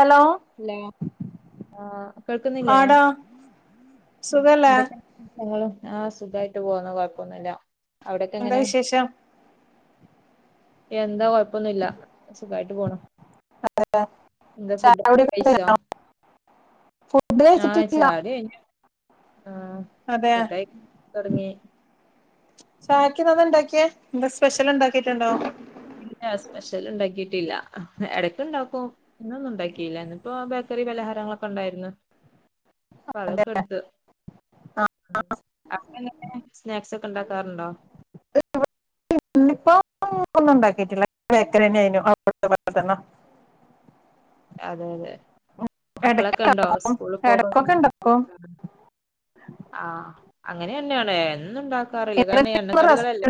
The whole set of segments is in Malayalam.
ഹലോ ഹലോ ആ കേൾക്കുന്നില്ലേ ആടാ സുഖല്ലേ എന്തൊക്കെ ഞങ്ങളും ആ സുഖായിട്ട് പോകുന്നു കൊഴപ്പൊന്നുല്ല അവിടൊക്കെ എന്താ എങ്ങനെ വിശേഷം എന്താ കൊഴപ്പൊന്നുല്ല സുഖായിട്ട് പോണു അതെ എന്താ ചായ ഫുഡ് കുടിയൊക്കെ കഴിച്ചോ ഫുഡ് ആ കഴിച്ചിട്ടില്ല ചായ കുടി കഴിഞ്ഞു ആ ഫുഡ് കഴിക്കാൻ തൊടങ്ങി ചായക്കിന്നെന്താ ഇണ്ടാക്കിയെ എന്താ സ്പെഷ്യൽ ഇണ്ടാക്കിട്ട്ണ്ടോ ഇല്ല സ്പെഷ്യൽ ഇണ്ടാക്കിയിട്ടില്ല എടക്ക് ഇണ്ടാക്കും ഇന്നൊന്നും ഇണ്ടാക്കിയില്ല ഇന്നിപ്പോ ബേക്കറി പലഹാരങ്ങളൊക്കെണ്ടായിര്ന്നു അപ്പൊ അതെ അതൊക്കെ എടുത്ത് ആ അങ്ങനെ ഇങ്ങനെ സ്നാക്സൊക്കെണ്ടാക്കാറ്ണ്ടോ ഇന്നിപ്പോ ഒന്നും ഉണ്ടാക്കിട്ടില്ല ബേക്കറി തന്നെ ആയിരുന്നു അവിടുത്തെ പോലെ തന്നെ അതെ അതെ ഇടക്ക് മക്കളൊക്കെണ്ടോ ഇണ്ടാക്കും സ്കൂള് പോക ഇടക്കൊക്കെ ഇണ്ടാക്കും ആ അങ്ങനെ തന്നെയാണ് എന്നുണ്ടാ ണ്ടാക്കാറില്ല കാരണം ഈ ഇന്ന് എണ്ണക്കടികളല്ലെ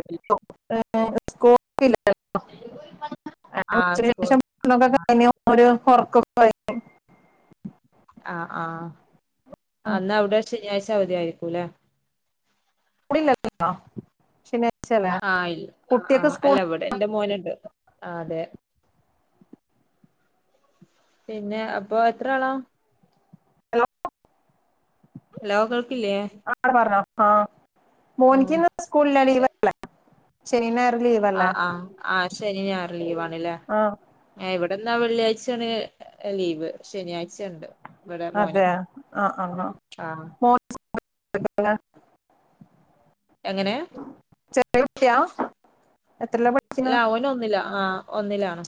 [unintelligible] ആ ആഹ് ഉച്ചയ്ക്ക് സ്കൂൾ ശേഷം [unintelligible] ഓര് ഉറക്കൊക്കെ കഴിഞ്ഞ് ആ ആ ആ ന്നാവ്ടെ ശനിയാഴ്ച അവധിയായി കുലെ സ്കൂളില്ലല്ലോ ശനി ആ ഇല്ല ആ ആ അല്ല ഇവടെ എന്റെ മോന്ണ്ട് ആ അതെ പിന്നെ അപ്പൊ എത്ര ആളാ ഹലോ ഹലോ കേൾ ആട പറഞ്ഞോ ആ ആഹ് മോനിക്ക്ന്ന് സ്കൂളില്ല ലീവല്ലേ ശെനിം ഞാ ആ ആ ആ ശനി ഞായറ് ലീവാണ്ല്ലേ ആ ഏ ഇവ് ടന്നാ വെള്ളിയാഴ്ചയാണ് ലീവ് ശനിയാഴ്ചണ്ട് അതെ ആ ആ ആഹ് ആ [unintelligible] എങ്ങനെ [unintelligible] പഠിക്കുന്നെ ല്ല ഓനൊന്നിലാ ആ ഒന്നിലാണ്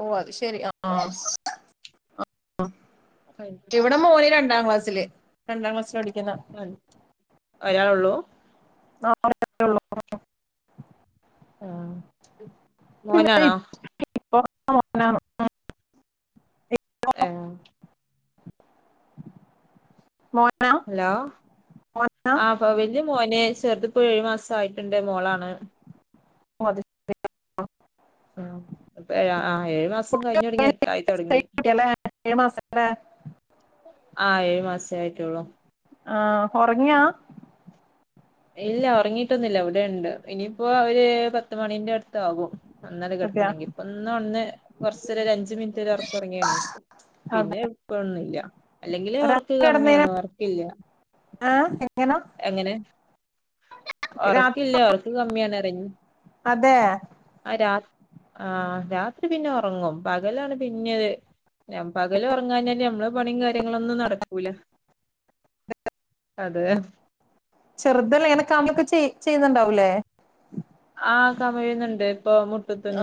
ഓ അത് ശെരി അആ ഇവിടെ മോന് രണ്ടാം ക്ലാസ്സില് രണ്ടാം ക്ലാസ്സ്ലാഠി അ ഒരാളൊള്ളൂ ആ ഒരാളേള്ളൂ ആ മോനാണോ [unintelligible] ഏ മോനാ ഹലോ മോനാ ആപ വല്യ മോന് ചെറ്ത്പ്പോ ഏഴു മാസം ആയിട്ടുണ്ട് മോളാണ് ഓ, അത് ശരി. ആ പ്പ ഏഴാ ഏഴ് മാസം കുട്ടി കഴിഞ്ഞാടങ്ങി എട്ടായി തുടങ്ങി [unintelligible] ആ ഏഴു മാസെ ആയിട്ടെള്ളു ആ ഒറങ്ങിയാ ഇല്ല ഒറങ്ങിട്ടൊന്നുംല്ല ഇവിടെണ്ട് ഇനിയിപ്പോ അവര് പത്ത്മണീന്റെ അടുത്താകും നന്നടി അതെയാ കെടക്കണെങ്കി ഇപ്പൊ ഇന്ന് ഒന്ന് കൊറച്ചേരം ഒരഞ്ച് മിൻറ്റ് ഒരൊറക് ഒറങ്ങിയെണീറ്റ് അതെ പിന്നെ ഇപ്പൊന്നുംല്ല അല്ലെങ്കിലേ ഒറക്ക് കമ്മിയാണ് ഒറക്കില്ല ആ എങ്ങനെ [unintelligible] അതേ ആ രാ ആ രാത്രി പിന്നെ ഒറങ്ങും പകലാണ് പിന്നിം ഒര് പകൽ ഉറങ്ങാഞ്ഞ നമ്മളെ പണിയും കാര്യങ്ങളൊന്നും നടക്കൂല അത് ചെറ്തെല്ല എനക്ക്മ്മക്കെചെയ് ചെയ്യ്ന്നുണ്ടാവൂലേ ആ കമിഴ്ന്ന്ണ്ട് ഇപ്പൊ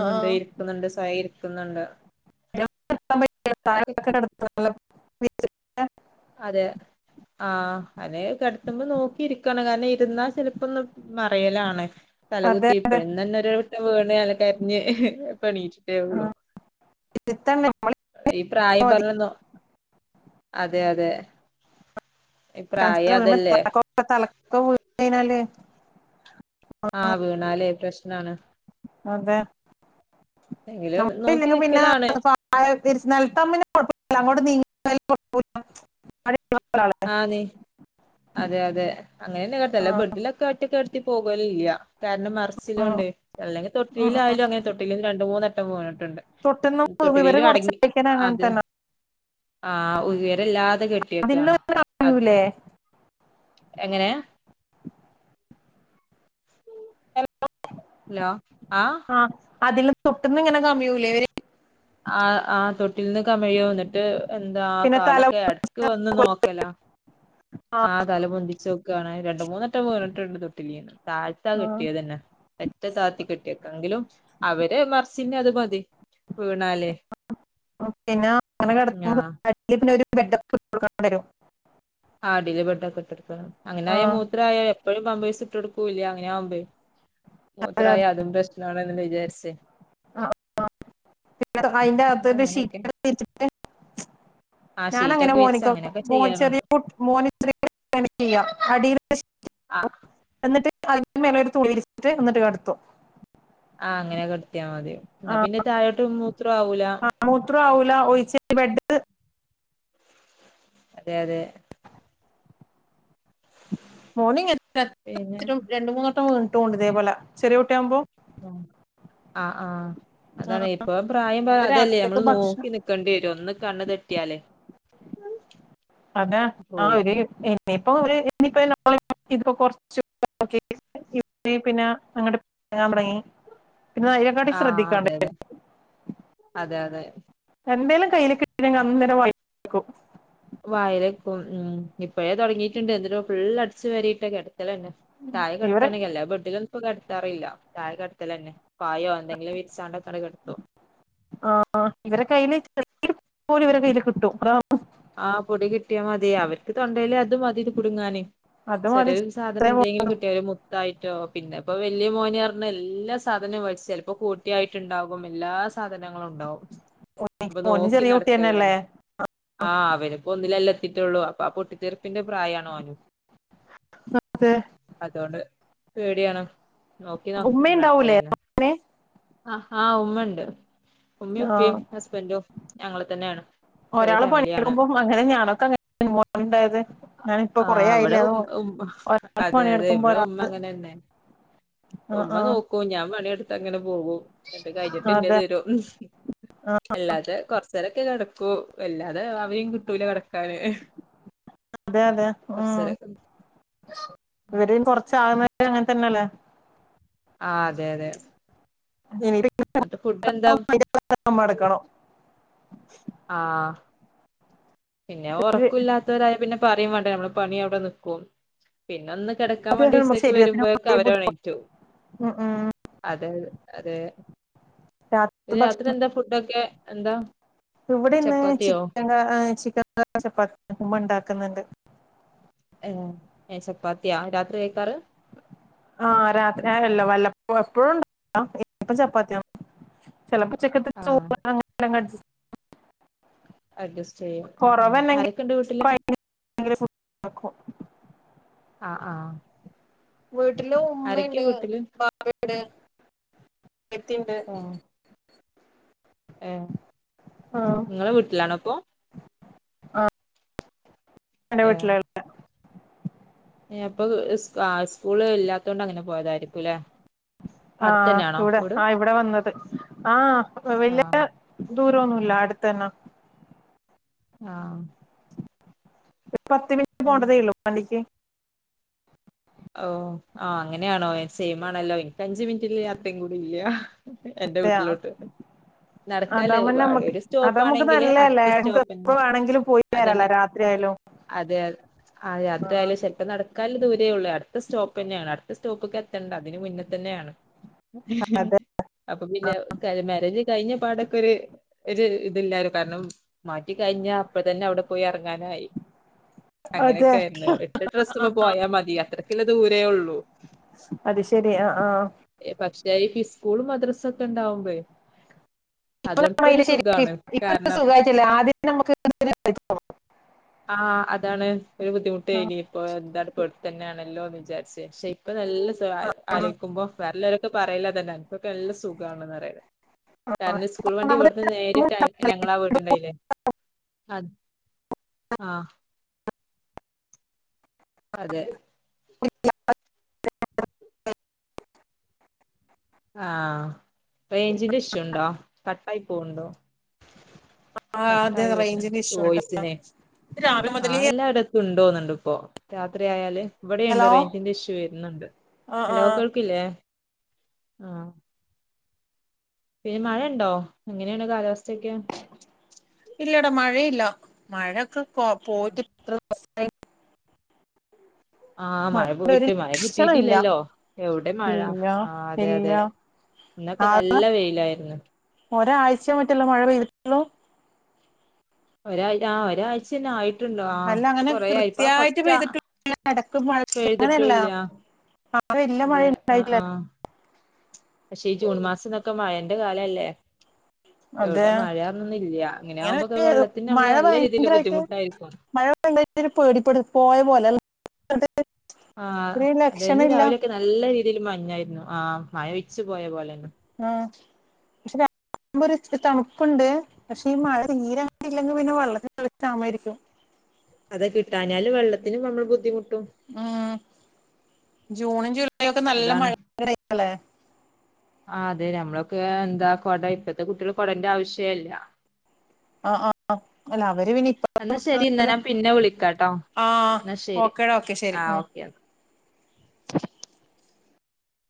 ആ ഇരിക്കുന്നുണ്ട് സ നിക്കുന്നുണ്ട് [unintelligible] വ [unintelligible] അതെ ആ അനെ കടത്തുമ്പോ നോക്കിയിരിക്കണം. കാരണം? രുന്നാ ചിലപ്പോ ഒന്നും മറയലാണ് അതെ തലകുത്തി ഇപ്പ ഇന്ന് തന്നെ ഒരു വെട്ടം വീണ് അൾ കരിഞ്ഞ് പണച്ചിട്ടേ ഉള്ളു. ചിത്തന്നെ നമ്മളിരുന്നാ ഈ പ്രായം മതി പറഞ്ഞോന്നോ അ അതെ അതെ ഈ പ്രായം അതല്ലേ [unintelligible] ആ വീണാല് പ്രശ്നാണ്. അതെ എങ്കിലും നോക്കി നമ്മളില്ലെങ്കിൽ പിന്നെ നിക്കലാണ്. [unintelligible] ആ നീ അതെ അതെ അങ്ങനെന്നെ ആ, ബെഡ്ലൊക്കെ ഒറ്റക്ക് കിടത്തി പോകും അല്ലേ? യ്യ.. [unintelligible] കാരണം ആ, മറച്ചിലോണ്ട് ആ. അല്ലെങ്കിതൊട്ടില്ആയാലും അങ്ങെ തെ ന്നും രണ്ടു മൂന്നു വെട്ടം വീണിട്ടുണ്ട്. തൊട്ടുന്ന ഇവര് തൊട്ടിലിലും കുറച്ച് അടങ്ങി കഴിക്കാൻ അങ്ങനെ അത് തന്നെ ആ ഉയരല്ലാതെ കെട്ടിയേക്കുവാ. ഴുല്ലേ? എങ്ങനെയാ? [unintelligible] എം [unintelligible] ഹലോ ആ അതിൽ തൊട്ടിന്ന് ഇങ്ങനെ കമ്മിയൂലേ ഇവര് ആ ആ തൊ ട്ടിൽ നിന്ന് കമിയ വന്നിട്ട് എന്താ ആ പിന്നെ തല കാലൊക്കെ ഇടക്ക് വന്ന് നോക്കലാ ആ തല പൊന്തിച്ചു നോക്കാണ് രണ്ട മൂന്നെട്ടം വീണിട്ടിട്ട് തൊട്ടിലിന്ന് താഴത്താ ആ. കെട്ടിയത് തന്നെ ഏറ്റും താഴത്തി കെട്ടിയക്കെ എങ്കിലും അവര് [unintelligible] അത് മതി വീണാലേ പിന്നെ അങ്ങനെ ആ കെടത്തുമ്പോ [inaudible] [unintelligible] ആ അടിൽ ബെഡൊക്കെ ഇടട്ടെടുക്കണം അങ്ങന ആ ആയ മൂത്ര ആയാ എപ്പോഴും പമ്പേഴ്സ് ഇട്ട്ടു കൊടുക്കൂല്ല അങ്ങനെയാവുലേ മൂത്രം ആയാലും പ്രശ് ണന്ന് വിചാരിച്ചേ ആ അതിന്റാകത്ത് അപ്പൊ ബെഡ് അങ്ങനെയൊക്കെ ഷീറ്റൊക്കെ വിരിച്ചിട്ട് ആ ഞാനങ്ങനെ ഷീറ്റൊക്കെ വിരിച്ച് മോനിക്ക് അങ്ങനെയൊക്കെ മോൻ ചെയ്യാറുണ്ട് ചെറിയ കു മോനിതൃ [unintelligible] ആ എന്നിട്ട് അതിന്റെ മേലെ ഒരു തുണി വിരിച്ചിട്ട് എന്നിട്ട് കടത്തട്ടും ആ അങ്ങനെയാ കെടത് ത്തിയാ മതി എന്നാ പിന്നെ താഴോട്ടും മൂത്രം ആവൂല മൂത്രം ആവൂല ഒഴിച്ച് ബെഡ് അതെ അതെ മോർണിംഗ് പിന്നെ രണ്ട് മൂന്ന് വട്ടം വീണ് ണ്ട് തേപോലെ ചെറിയ കുട്ടി ആകുമ്പോ ആ ആ ആ ആ, അതാണ് ഇപ്പൊ പ്രായം ഇത് അതല്ലേ രാത്രിത്തേക്ക് നമ്മള് നോക്കി ഭക്ഷണം നിക്കേണ്ടി വരും ഒന്ന് കണ്ണ് തെറ്റിയാല് അതാ ആ ഒരു [unintelligible] ആ ശ്രദ്ധിക്കാണ്ട് അതെ അതെ അതെ അതെ എന്തേലും കയ്യില് കിട്ടിലെങ്കി അന്നേരം വായില് വെക്കും വായിലെക്കും ഉം ഇപ്പഴേ തുടങ്ങിട്ടുണ്ട് എന്നിട്ടോ ഫുൾ അടിച്ച് വാരിട്ട് കിട അതുപോലെതന്നെ താഴെ ഇവരെ കടത്താണെങ്കിൽ എല്ലാ ബഡിലും ഇപ്പോ കടത്താറില്ല താഴെ കടത്തൽ തന്നെ പായോ എന്തെങ്കിലും വിരിച്ചാണ്ട് ആ അ ഇവരെ കയില് പോലും ഇവരെ കയ്യിൽ കിട്ടും അതാണ് ആ പൊടി കിട്ടിയാ മതി അവർക്ക് തൊണ്ടേൽ അത് മതി ഇത് കുടുങ്ങാന് അത് മതി ചെറിയൊരു സാധനം ഇത്രയും എന്തെങ്കിലും കിട്ടിയാല് മു തായിട്ടോ പിന്നെ ഇപ്പ വലൃ മോന് പറഞ്ഞ എല്ലാ സാധനവും വലിച്ച് ചിലപ്പോ കോട്ടിയായിട്ട് ഉണ്ടാകും എല്ലാ സാധനവും ങ്ങളൊണ്ടാവും അപ്പൊ മോന് നോക്കി ചെറിയ കുട്ടി തന്നെയല്ലേ നടക്കല്ലാണ് ആഹ് അവനിപ്പൊ ഒന്നിലെല്ലാത്തിട്ട് ലുള്ളു അപ്പൊ ആ പൊട്ടിത്തെറിപ്പിന്റെ പ്രായാണുഓന് അതൊണ്ട് പേടിയാണ് നോക്കി നോ ഉമ്മയുണ്ടാവൂലേ നടക്കലന്നെ മോനെ ആ ആ ഉമ്മെണ്ട് ഉമ്മയും ആ ഉപ്പയും ഹസ്ബൻഡും ഞങ്ങൾ തന്നെയാണ് ചെറിയ ഒരാപ് ഇപ്പോ ഫാമിലിയാണ് പണിയെടുക്കുമ്പോ അങ്ങനെ ഞാനൊക്കെ മോനുണ്ടായത് ഞാന് ഇപ്പൊ കൊറേ ആഹ് ഇവിടെ ആയില്ല അ ഉം ഉം അതെ അതെ ഒരാൾപണിയെടുക്കുമ്പോ ഇവിടെ ഉമ്മ ഒരാള് അങ്ങനെന്നെ ആഹ് ഉമ്മ ആഹ്. നോക്കും ഞാൻ പണിയെടുത്ത് അങ്ങനെ കു കഴിഞ്ഞിട്ട്ന്റെ തീരു അല്ലാതെ കൊറച്ചരൊക്കെ കാണും. കു വല്ലാതെ അവയും കിട്ടൂല കറക് അതെയതെ ഉം കൊറച്ചേരൊക്കെ ഇവരേം കൊറച്ചാന്ന് അങ്ങനെ തന്നല്ലേ. ആഹ് അതെ അതെ എന്നിട്ട് ഫുഡ് എന്താ [unintelligible] [inaudible] മടക്കണം. ആഹ് പിന്നെ ഒരു- ഒറക്കില്ലാത്തവരായ പിന്നെ പറയും വേണ് നമ്മള് പണി അവിടെ നിക്കും. പിന്നെ ഒന്ന് കിടക്കാൻ അത് വേണ്ടി നമ്മുടെ വിസത്തേക്ക് ശരീരത്തിന് വരുമ്പോഴൊക്കെ വളരെ ബുദ്ധിമുട്ട് അവരെണീറ്റു. ഉം ഉം. അതെ അതെ രാത്രി എന്താ ഫുഡൊക്കെ എന്താ ഇവിടെ ഇന്ന് ചപ്പാത്തിയോ? ചിക്കൻ ചിക്കൻ ചപ്പാത്തി ഉമ്മ ഇണ്ടാക്കുന്നുണ്ട്. ഏ ഹ് ചപ്പാത്തിയാ രാത്രി കഴിക്കാറ്? ആഹ് രാത്രി ആഹ് അല്ല വല്ലപ്പോഴും എപ്പഴുണ്ടാകില്ല ഇപ്പ ചപ്പാത്തിയ. ചെലപ്പോ ചപ്പാതി ആഹ് ചോറ് അങ്ങനങ്ങട്ജസ്റ്റ് അഡ്ജസ് കൊറവല്ലെങ്കി [inaudible] ക്കുണ്ടാക്കും ആഹ് ആഹ് വീട്ടില് ആരൊക്കെ ഉമ്മെണ്ട് വീട്ടില് ബാപ്പെണ്ട്. യത്തീണ്ട്. ഏ നിങ്ങളെ വീട്ടിലാണോപ്പൊ? ആഹ് ങ്ങടെ ഏഹ് വീട്ടിലല്ല. അപ്പൊ സ്കാ സ്കൂളില്ലാത്ത കൊണ്ട് അങ്ങനെ പോയതായിരിക്കുംല്ലേ ആഹ് അടുത്തന്നെയാണോ ഇവടെ. വീട് ആ ഇവടെ വന്നത്. ആ വല്യ ആഹ് ദൂര ന്നുല്ല അടുത്തന്ന. ആഹ് ഒരു പത്ത് മിനിറ്റ് പോണ്ടതേള്ളൂ വണ്ടിക്ക്. ഓ ആഹ് അങ്ങനെയാണോ സെയിമാണല്ലോ. എനിക്ക് അഞ്ചു മിനിറ്റിനു യാത്രയും കൂടിയില്ല. എന്റെ അതെയാ വീട്ടിലോട്ട്. നടക്കാല്ലേ അതാവുമ്പോ നമ്മക്ക് ഒരു അത് നമുക്ക് സ്റ്റോപ്പാണെങ്കില് നല്ലതല്ലേ അടുത്ത നമുക്ക് എപ്പോ സ്റ്റോപ്പെന്നെ. വേണമെങ്കിലും പോയി വരാലോ അതന്നെ രാത്രി ആയാലും അതെ ആ യാത്രയാലേ സ്വൽപ്പ നടക്കാനൊള്ള ദൂരേയൊള്ളൂ. അ അടുത്ത സ്റ്റോപ്പെന്നെയാണ്. അടുത്ത സ്റ്റോപ്ക്കെ തണ്ട അതിന് മുന്നെ തന്നെയാണ്. അതെ അപ്പപ്പിന്നെ മാരേജ് കഴിഞ്ഞയിപ്പടക്കൊരു യൊരുയിതില്ലാര്. കാരണം മടി കഴിഞ്ഞപ്പഴത്തന്നെ അവടെ പോയി ഇറങ്ങാനായി. അതെ അങ്ങനെയൊക്കെയാരുന്നു. ഇട്ട ഡ്രസ്സിന പോയാ മതിയത്രേ. ളില് ദൂരേയൊള്ളൂ അത് ശരി ആ ആ എ പക്ഷേ ഐപിസി സ്കൂളും മദ്രസക്കെണ്ടാവുമ്പേം ഇപ്പൊ അതോപ്പരു നമ്മ ശരിക്കും സുഖ്വാണ്. ഇപ്പൊ ഒരു കാരണം സുഖമായിട്ടില്ല ആദ്യം നമുക്ക് ആഹ് അതാണ് ഒര് [inaudible] ആ ബുദ്ധിമുട്ടിനിപ്പൊ എന്താണിപ്പോ വ്ടെത്തന്നെയാണ്. [unintelligible] ഇപ്പൊ ല്ലസവ ആ ആലോ യിക്കുമ്പോ വേറൊലരൊക്കെ പറയില്ലേയതെന്നാന്ന്. ക്ക് നല്ല സുഖമാണെന്നറയല് കാരണം സ്കൂൾ വണ്ടി ഒന്നാമത് ഇവെടെന്ന് നേരിറ്റ ഞങ്ങാടെ വീട്ടിന്റെതിലേ. അ ആഹ് അതെ [unintelligible] ആഹ് റേഞ്ചിന്റെ ഇഷുണ്ടോ. കട്ടായ് പോണ് ണ്ടോ? ആ അതെ കട്ടായി റേഞ്ചിന്റെ വെരുന്ന ഇഷ്യൂ ആട്ടോ ചോയ്സിനെ രാവിലെ ആ മുതലേ എല്ലട ഇണ്ടോന്നുന്നുണ്ടിപ്പോ രാത്രിയായാല് ഇവടെയൊണ്ട് ഹലോ റേഞ്ചിന്റെ ഇഷ്യൂ വെരുന്നുണ്ട്. ആ ആ ഹലോ കേൾക്കില്ലേ? ആഹ് പിന്നെ മഴയൊണ്ടോ? എങ്ങനെയാണ് കാലാവസ്ഥയൊക്കെ? ഇല്ലടാ മഴയില്ല. മഴൊക്കെ പൊ പോയിട്ടിത്ര [unintelligible] ആഹ് മഴ ഒരു പോയിട്ട് മഴ ലക്ഷണമില്ല കിട്ടീട്ടില്ലല്ലോ. എവിടെ മഴ ഇല്ല ആ ഇല്ല അതെ ഇല്ല. അതെ ഇന്നെക്കെ നല്ല വെയിലായിരുന്നു. ഒരാഴ്ച്ചയേ മറ്റൊള്ളു മഴ പെയ്തിട്ടൊള്ളൂ? ഒരാ ആ ഒരാഴ്ച തന്നെ ആയിട്ട്. ട്ടണ്ടോ അല്ല അങ്ങനെ കൊറെ ആയിപ്പോ. കൃത്യായിട്ട് ഫസ്റ്റ് ആ പെയ്തിട്ടില്ല ഇടക്ക് മഴ പെയ്തിട്ടും അങ്ങനെയല്ല ഇല്ല ആ വല്യ മഴ അതെ ആ ഉണ്ടായില്ല. ആ പക്ഷെ ഈ ജൂൺ മാസമൊക്കെ മഴന്റെ കാലല്ലേ! ! അതെ ഇങ്ങനെ ആകുമ്പോക്കെ വെള്ളത്തിന് നമ്മള് മഴ നല്ല രീതിയിൽ ഭയങ്കരമായിട്ട് ബുദ്ധിമുട്ടായിരിക്കും മഴ ഭയങ്കര പേടിപ്പെടു പോയ പോലെല്ല [unintelligible] ആ അതന്ന് രാവിലൊക്കെ നല്ല രീതിൽ മഴ ഉണ്ടായിരുന്നു ആ മഴ വിച്ചു പോയ പോലെ ആ പക്ഷെ തണുപ്പുണ്ട് പക്ഷെ ഈ മഴ തീരെ അങ്ങനെ ഇല്ലെങ്കിൽ പിന്നെ വെള്ളത്തിൽ ക്ഷാമായിരിക്കും. അതെ കിട്ടാഞ്ഞാല് വെള്ളത്തിന് നമ്മൾ ബുദ്ധിമുട്ടും. ആ ജൂണും ജൂല യൊക്കെ നല്ല അതാണ് മഴ കാല [unintelligible] ആ അതെ ഞമ്മളൊക്കെ ന്താ കൊട ഇപ്പത്തെ കുട്ടികൾ കൊടന്റെ ആവശ്യേല്ല ആ ആ അല്ല അവര് പിനി [unintelligible] എന്നാ ഇപ്പ ശരി എന്നാ ഞാൻ പിന്നെ വിളിക്കാട്ടോ ആ എന്നാ ശരി ഓക്കേടാ ഓക്കെ ശെരി ആഹ് ഉം [inaudible] ഓക്കെ